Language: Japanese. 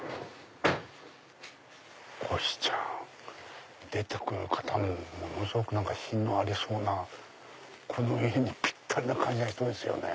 こひちゃん出て来る方もものすごく品のありそうなこの家にぴったりな感じがしてますよね。